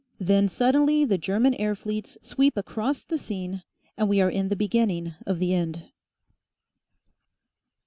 Then suddenly the German air fleets sweep across the scene, and we are in the beginning of the end.